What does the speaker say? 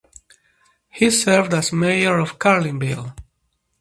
He served as mayor of Carlinville.